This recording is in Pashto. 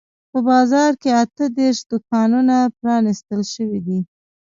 په بازار کې اته دیرش دوکانونه پرانیستل شوي دي.